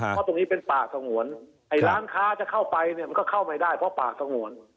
เพราะตรงนี้เป็นป่าสงวนไอ้ร้านค้าจะเข้าไปเนี่ยมันก็เข้าไม่ได้เพราะป่าสงวน